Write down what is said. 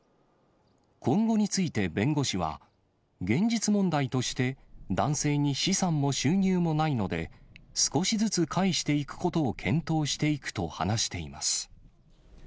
今後について弁護士は、現実問題として、男性に資産も収入もないので、少しずつ返していくことを検討していくと話しています。